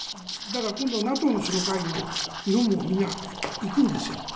だから今度ＮＡＴＯの首脳会議も日本もみんな、行くんですよ。